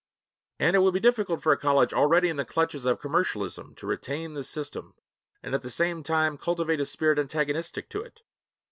And it will be difficult for a college already in the clutches of commercialism to retain the system and at the same time cultivate a spirit antagonistic to it.